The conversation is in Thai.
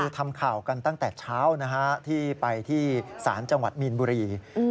ทำข่าวกันตั้งแต่เช้าที่ไปที่ศาลจังหวัดมีนบุรี